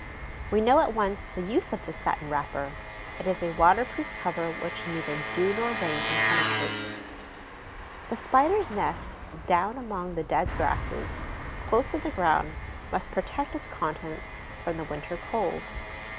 We know at once the use of this satin wrapper; it is a waterproof cover which neither dew nor rain can penetrate. The Spider's nest, down among the dead grasses, close to the ground, must protect its contents from the winter cold.